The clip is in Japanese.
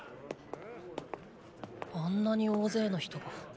あんなに大勢の人が。